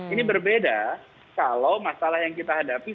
ini berbeda kalau masalah yang kita hadapi